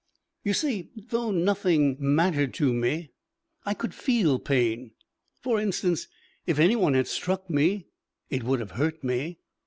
II You see, though nothing mattered to me, I could feel pain, for instance. If any one had struck me it would have hurt me.